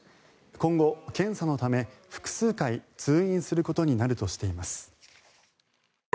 今後、検査のため複数回通院することになるとしています。